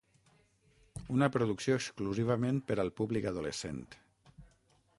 Una producció exclusivament per al públic adolescent.